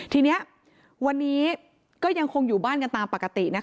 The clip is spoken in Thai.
ทีนี้วันนี้ก็ยังคงอยู่บ้านกันตามปกตินะคะ